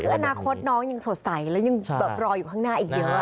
คืออนาคตน้องยังสดใสแล้วยังแบบรออยู่ข้างหน้าอีกเยอะ